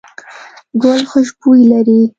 ګل خوشبويي لري.